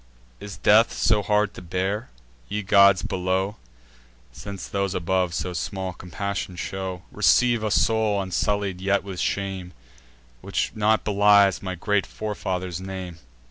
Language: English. Is death so hard to bear? Ye gods below, (Since those above so small compassion show,) Receive a soul unsullied yet with shame, Which not belies my great forefather's name!"